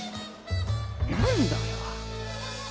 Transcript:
何だよ。